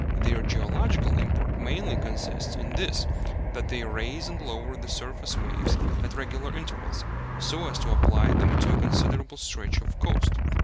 Their geological import mainly consists in this that they raise and lower the surface waves at regular intervals, so as to apply them to a considerable stretch of coast.